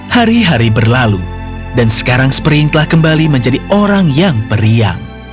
hari hari berlalu dan sekarang spring telah kembali menjadi orang yang periang